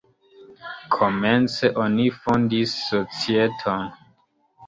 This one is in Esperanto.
Komence oni fondis societon.